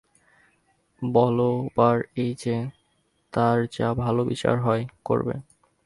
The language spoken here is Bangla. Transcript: বলবার এই যে, তার যা ভাল বিচার হয়, করবে।